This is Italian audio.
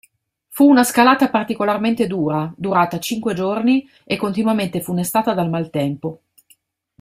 Fu una scalata particolarmente dura, durata cinque giorni e continuamente funestata dal maltempo.